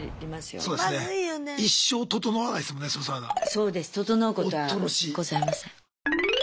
そうですね。